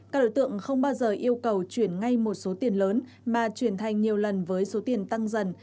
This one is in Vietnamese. các đối tượng không bao giờ yêu cầu chuyển ngay một số tiền lớn mà chuyển thành nhiều lần với số tiền tăng dần